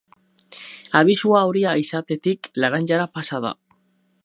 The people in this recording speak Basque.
Abisua horia izatetik laranjara pasa da.